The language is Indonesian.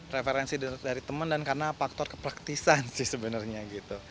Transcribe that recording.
referensi dari teman dan karena faktor kepraktisan sih sebenarnya gitu